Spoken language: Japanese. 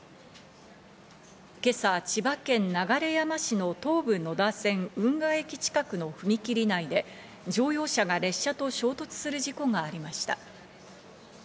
今朝、千葉県流山市の東武野田線・運河駅近くの踏切内で、乗用車が列車と衝突する事故がありました。